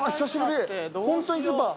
ホントにスーパー。